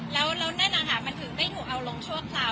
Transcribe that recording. เรานั่นน่ะค่ะมันถึงได้หูเอาลงชั่วคราว